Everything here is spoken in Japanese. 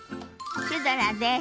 シュドラです。